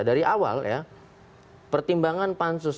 dari awal ya pertimbangan pansus